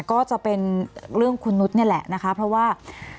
ก็จะเป็นเรื่องคุณนุษย์นี่แหละนะคะเพราะว่า